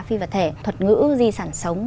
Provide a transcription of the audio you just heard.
phi vật thể thuật ngữ di sản sống